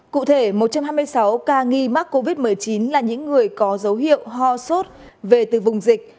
cụ thể một trăm hai mươi sáu ca nghi mắc covid một mươi chín là những người có dấu hiệu ho sốt về từ vùng dịch